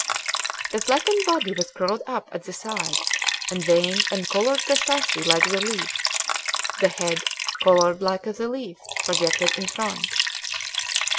The flattened body was curled up at the sides, and veined and colored precisely like the leaf. The head, colored like the leaf, projected in front.